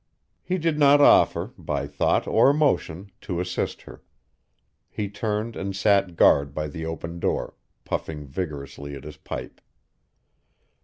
He did not offer, by thought or motion, to assist her. He turned and sat guard by the open door, puffing vigorously at his pipe.